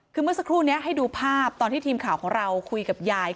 คือเมื่อสักครู่นี้ให้ดูภาพตอนที่ทีมข่าวของเราคุยกับยาย